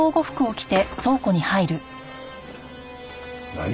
何！？